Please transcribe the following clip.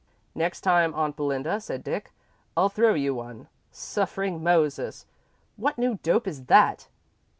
"Next time, Aunt Belinda," said Dick, "I'll throw you one. Suffering Moses, what new dope is that?"